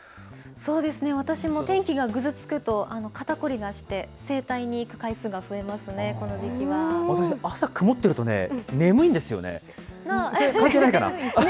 そうですね、私も天気がぐずつくと、肩凝りがして、整体に行私、朝曇ってるとね、眠いんですよね。